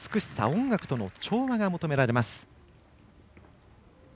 音楽との調和が求められます。